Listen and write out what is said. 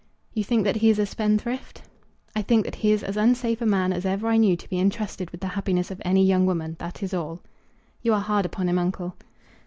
"You think that he is a spendthrift?" "I think that he is as unsafe a man as ever I knew to be intrusted with the happiness of any young woman. That is all." "You are hard upon him, uncle."